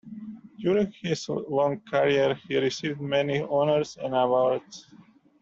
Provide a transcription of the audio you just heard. During his long career, he received many honours and awards.